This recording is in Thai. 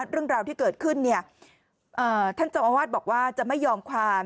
เรื่องราวที่เกิดขึ้นท่านเจ้าอาวาสบอกว่าจะไม่ยอมความ